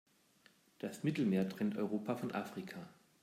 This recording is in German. Das Mittelmeer trennt Europa von Afrika.